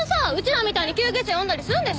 らみたいに救急車呼んだりすんでしょう。